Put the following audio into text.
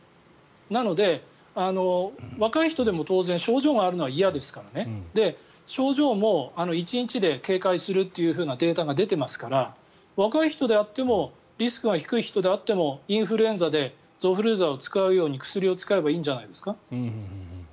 なので、若い人でも当然症状があるのは嫌ですから症状も１日で軽快するというデータが出てますから若い人であってもリスクが低い人であってもインフルエンザでゾフルーザを使うように薬を使えばいいんじゃないですか？